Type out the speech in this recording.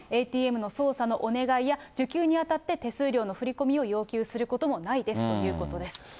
ＡＴＭの操作のお願いや、受給にあたって、手数料の振り込みを要求することもないですということです。